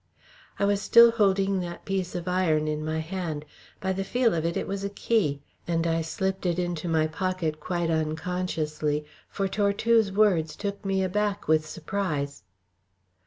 I was still holding that piece of iron in my hand. By the feel of it, it was a key, and I slipped it into my pocket quite unconsciously, for Tortue's words took me aback with surprise.